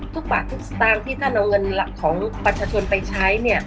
ทุกบาททุกสตางค์ที่ท่านเอาเงินของประชาชนไปใช้